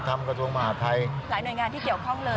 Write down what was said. กระทรวงมหาทัยหลายหน่วยงานที่เกี่ยวข้องเลย